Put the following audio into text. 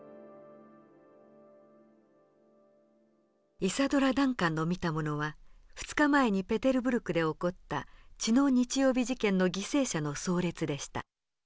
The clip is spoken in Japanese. イサドラ・ダンカンの見たものは２日前にペテルブルクで起こった血の日曜日事件の犠牲者の葬列でした。